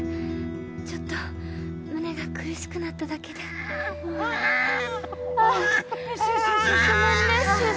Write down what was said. ちょっと胸が苦しくなっただけでああよしよし